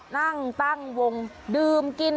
นั่งตั้งวงดื่มกิน